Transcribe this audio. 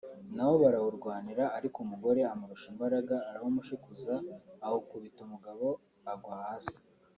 na wo barawurwanira ariko umugore amurusha imbaraga arawumushikuza awukubita umugabo agwa hasi